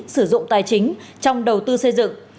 sử dụng tài chính trong đầu tư xây dựng